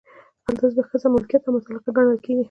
هلته ښځه ملکیت او متعلقه ګڼل کیږي.